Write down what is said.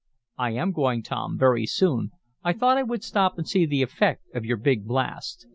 "I am going, Tom, very soon. I thought I would stop and see the effect of your big blast.